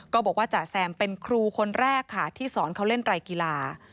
บอกว่าจ่าแซมเป็นครูคนแรกค่ะที่สอนเขาเล่นไรกีฬา